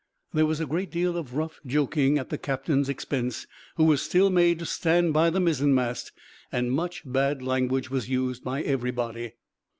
There was a great deal of rough joking at the captain's expense, who was still made to stand by the mizzen mast, and much bad language was used by everybody.